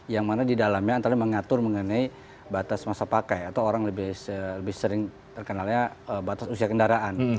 yang mana di dalamnya antara mengatur mengenai batas masa pakai atau orang lebih sering terkenalnya batas usia kendaraan